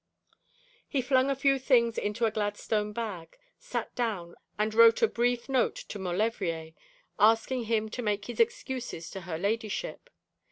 He flung a few things into a Gladstone bag, sat down, and wrote a brief note to Maulevrier, asking him to make his excuses to her ladyship.